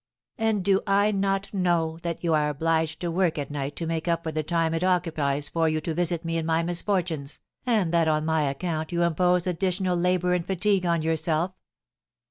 And do I not know that you are obliged to work at night to make up for the time it occupies for you to visit me in my misfortunes, and that on my account you impose additional labour and fatigue on yourself?"